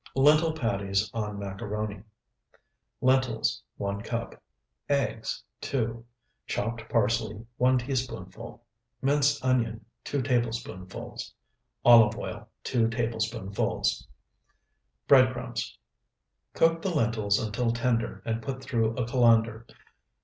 LENTIL PATTIES ON MACARONI Lentils, 1 cup. Eggs, 2. Chopped parsley, 1 teaspoonful. Minced onion, 2 tablespoonfuls. Olive oil, 2 tablespoonfuls. Bread crumbs. Cook the lentils until tender and put through a colander.